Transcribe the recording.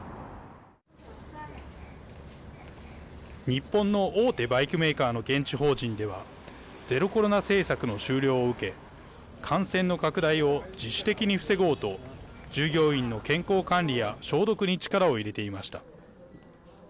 日本の大手バイクメーカーの現地法人ではゼロコロナ政策の終了を受け感染の拡大を自主的に防ごうと従業員の健康管理や消毒に力を入れていました。